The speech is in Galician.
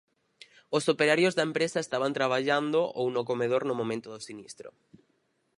Os operarios da empresa estaban traballando ou no comedor no momento do sinistro.